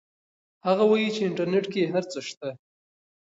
هغه وایي چې انټرنیټ کې هر څه شته.